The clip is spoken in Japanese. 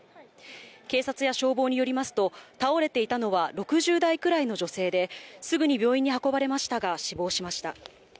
警察や消防によりますと、倒れていたのは６０代くらいの女性で、すぐに病院に運ばれましたが、死亡しました。